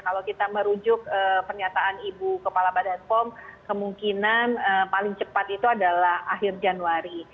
kalau kita merujuk pernyataan ibu kepala badan pom kemungkinan paling cepat itu adalah akhir januari